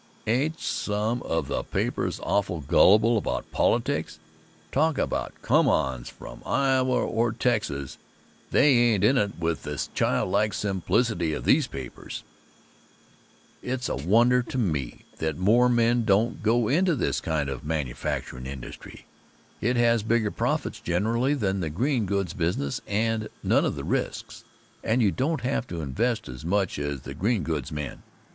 Say, ain't some of the papers awful gullible about politics? Talk about come ons from Iowa or Texas they ain't in it with the childlike simplicity of these papers. It's a wonder to me that more men don't go into this kind of manufacturin' industry. It has bigger profits generally than the green goods business and none of the risks. And you don't have to invest as much as the green goods men.